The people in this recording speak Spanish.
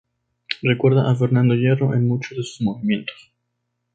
Recuerda a Fernando Hierro en muchos de sus movimientos.